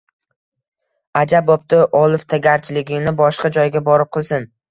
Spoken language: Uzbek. Ajab boʻpti, oliftagarchiligini boshqa joyga borib qilsin